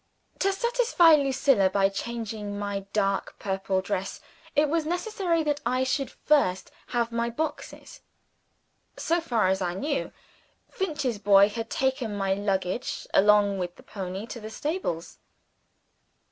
To satisfy Lucilla by changing my dark purple dress, it was necessary that I should first have my boxes. So far as I knew, Finch's boy had taken my luggage, along with the pony, to the stables.